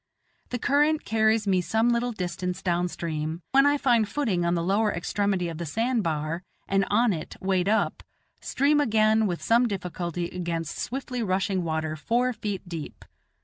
The current carries me some little distance down stream, when I find footing on the lower extremity of the sand bar, and on it, wade up; stream again with some difficulty against swiftly rushing water four feet deep.